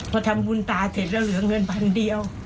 พอทำบุญตาเสร็จแล้วเหลือเงินพันเดียว